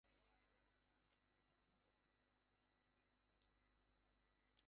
ডানহাতে ব্যাটিং করার পাশাপাশি দলের প্রয়োজনে মাঝে-মধ্যে মিডিয়াম বোলিংয়ে পারদর্শী ছিলেন তিনি।